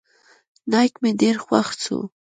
نايک مې ډېر خوښ سو.